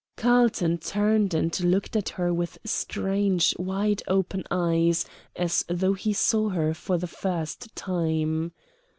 Carlton turned and looked at her with strange wide open eyes, as though he saw her for the first time.